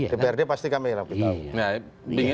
dprd pasti kami yang lebih tahu